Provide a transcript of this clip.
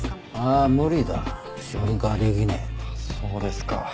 あっそうですか。